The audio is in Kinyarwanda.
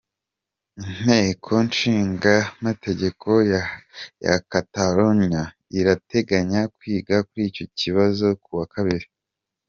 Inteko nshingamategeko ya Catalonia irateganya kwiga kuri icyo kibazo kuwa kabiri.